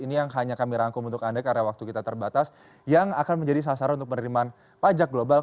ini yang hanya kami rangkum untuk anda karena waktu kita terbatas yang akan menjadi sasaran untuk penerimaan pajak global